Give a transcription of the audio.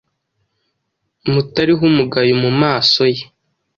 mutariho umugayo mu maso ye